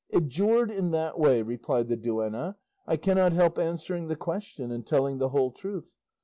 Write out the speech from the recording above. "Adjured in that way," replied the duenna, "I cannot help answering the question and telling the whole truth.